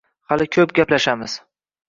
Hali ko‘p gaplashamiz